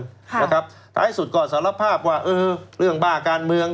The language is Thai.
ถ้าอย่างสุดก็สารภาพว่าเรื่องบ้าการเมือง